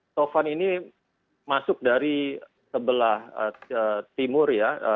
sofan ini masuk dari sebelah timur ya